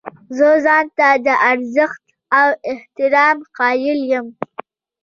زه ځان ته د ارزښت او احترام قایل یم.